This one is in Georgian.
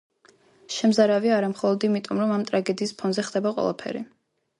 შემზარავია არა მხოლოდ იმიტომ, რომ ამ ტრაგედიის ფონზე ხდება ყველაფერი.